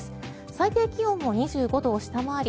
最低気温も２５度を下回り